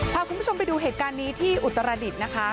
พาคุณผู้ชมไปดูเหตุการณ์นี้ที่อุตรดิษฐ์นะคะ